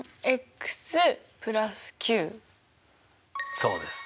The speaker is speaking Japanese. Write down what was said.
そうです。